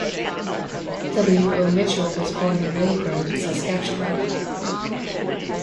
W. O. Mitchell was born in Weyburn, Saskatchewan.